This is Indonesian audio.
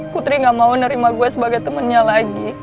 putri gak mau nerima gue sebagai temennya lagi